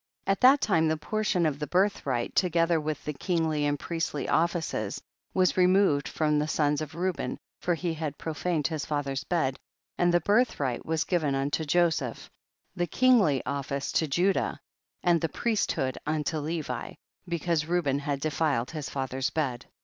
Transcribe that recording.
15. At that time the portion of birth right, together with the kingly and priestly offices, was removed from the sons of Reuben, for he had profaned iiis father's bed, and the birthright was given unto Joseph, the kingly office to Judah, and the priesthood unto Levi, because Reu ben had defiled his fathers bed.